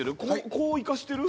こういかしてる？